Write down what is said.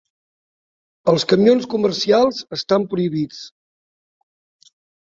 Els camions comercials estan prohibits.